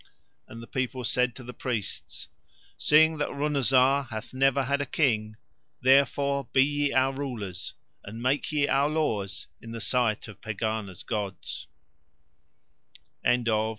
And the people said to the priests: "Seeing that Runazar hath never had a King, therefore be ye our rulers, and make ye our laws in the sight of Pegāna's gods."